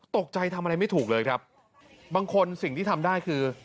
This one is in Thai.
ตกใจทำอะไรไม่ถูกเลยครับบางคนสิ่งที่ทำได้คือ